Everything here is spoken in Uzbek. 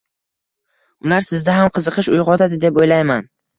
Ular sizda ham qiziqish uyg`otadi, deb o`ylayman